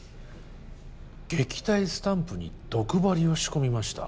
「撃退スタンプに毒針を仕込みました」